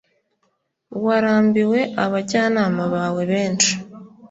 Warambiwe abajyanama bawe benshi